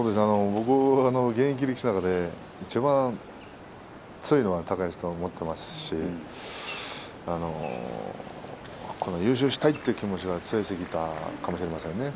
僕は現役力士の中でいちばん強いのは高安だと思っていますしこの優勝したいという気持ちが強すぎたかもしれませんね。